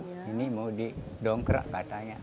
pada saat itu saya sudah membeli dongkrak katanya